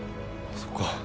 そっか。